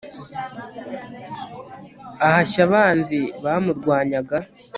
ahashya abanzi bamurwanyaga